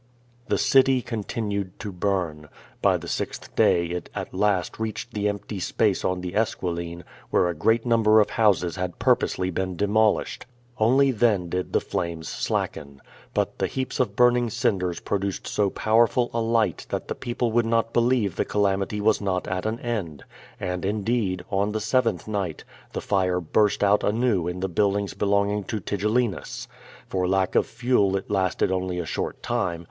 The city continued to burn. By the sixth day it at last reached the empty space on the Esquiline, where a great num ber of houses had purposely been demolished. Only then did the flames slacken. But the heaps of burning cinders pro duced so powerful a light that the people would not believe the calamity was Q0t at an ead. And, indeed, on the seventh night, the fire burst out anew in the buildings belonging to QVO VADJF!, 353 Tigellinus. For lack of fuel it lasted only a short time.